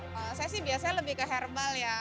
kalau saya sih biasanya lebih ke herbal ya